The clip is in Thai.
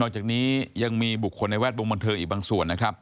จากนี้ยังมีบุคคลในแวดวงบันเทิงอีกบางส่วนนะครับ